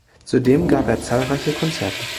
Zudem gab er zahlreiche Konzerte.